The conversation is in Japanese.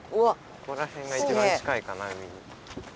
ここらへんが一番近いかな海に。